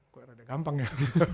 kok agak gampang ya